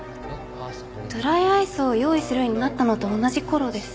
ドライアイスを用意するようになったのと同じ頃です。